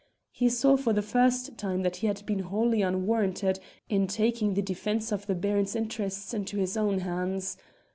He saw for the first time that he had been wholly unwarranted in taking the defence of the Baron's interests into his own hands.